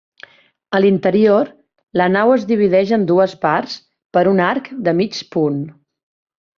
A l'interior, la nau es divideix en dues partes per un arc de mig punt.